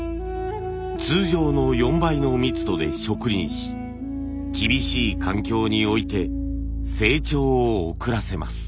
通常の４倍の密度で植林し厳しい環境に置いて成長を遅らせます。